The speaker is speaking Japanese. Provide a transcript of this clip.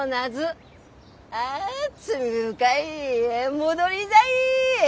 戻りだい！